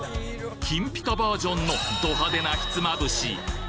金ぴかバージョンのど派手なひつまぶし。